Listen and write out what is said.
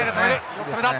よく止めた！